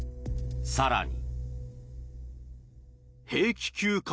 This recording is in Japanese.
更に。